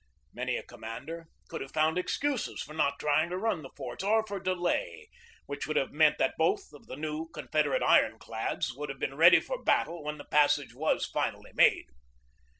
Many a commander could have found excuses for not trying to run the forts or for delay, which would have meant that both of the new Confederate iron clads would have been ready for battle when the passage was finally made.